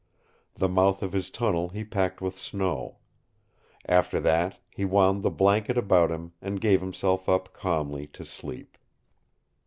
The mouth of his tunnel he packed with snow. After that he wound the blanket about him and gave himself up calmly to sleep.